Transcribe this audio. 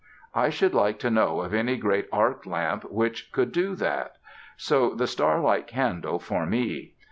I should like to know of any great arc lamp which could do that. So the star like candle for me.